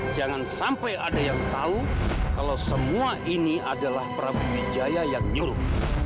jangan sampai ada yang tahu kalau semua ini adalah prabu wijaya yang nyuruh